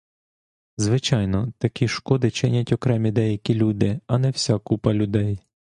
Звичайно, такі шкоди чинять окремі деякі люди, а не вся купа людей.